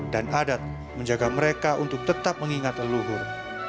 dan adat menjaga mereka untuk tetap mengingat leluhur